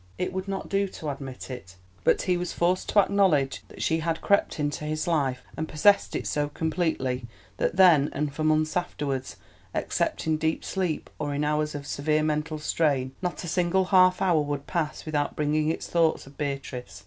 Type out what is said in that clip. It would not do to admit it. But he was forced to acknowledge that she had crept into his life and possessed it so completely that then and for months afterwards, except in deep sleep or in hours of severe mental strain, not a single half hour would pass without bringing its thought of Beatrice.